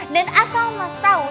dan asal mas tau